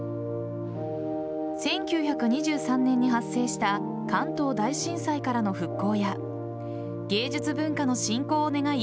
１９２３年に発生した関東大震災からの復興や芸術文化の振興を願い